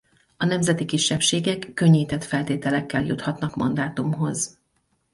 A nemzeti kisebbségek könnyített feltételekkel juthatnak mandátumhoz.